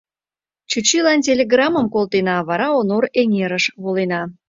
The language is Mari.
— Чӱчӱйлан телеграммым колтена, а вара Онор эҥерыш волена.